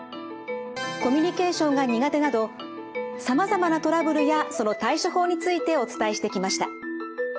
コミュニケーションが苦手などさまざまなトラブルやその対処法についてお伝えしてきました。